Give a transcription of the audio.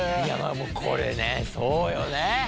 これねそうよね。